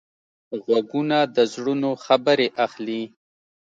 غوږونه د زړونو خبرې اخلي